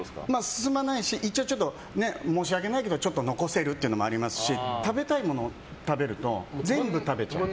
進まないし一応、申し訳ないけどちょっと残せるっていうのもありますし食べたいものを食べると全部食べちゃう。